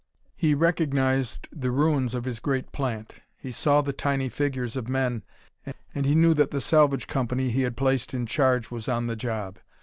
He recognized the ruins of his great plant; he saw the tiny figures of men, and he knew that the salvage company he had placed in charge was on the job.